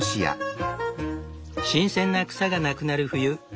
新鮮な草がなくなる冬。